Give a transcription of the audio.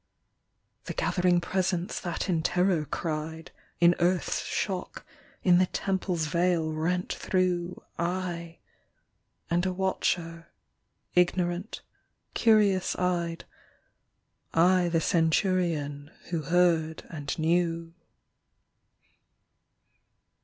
The gathering Presence that in terror cried, In earth s shock, in the Temple s veil rent through, I ; and a watcher, ignorant, curious eyed, I the centurion who heard and knew.